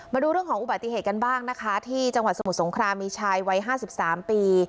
มาดูเรื่องของอุบัติเหตุกันบ้างนะคะที่จังหวัดสมุทรสงครามมีชายวัย๕๓ปี